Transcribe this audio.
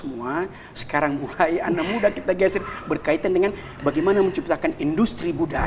semua sekarang mulai anak muda kita geser berkaitan dengan bagaimana menciptakan industri budaya